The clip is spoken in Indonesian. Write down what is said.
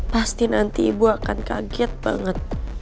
pasti nanti ibu akan kaget banget